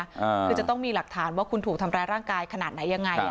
คือจะต้องมีหลักฐานว่าคุณถูกทำร้ายร่างกายขนาดไหนยังไงอ่ะ